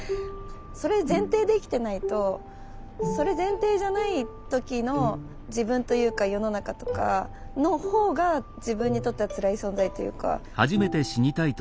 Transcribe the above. それ前提で生きてないとそれ前提じゃない時の自分というか世の中とかの方が自分にとってはつらい存在というか。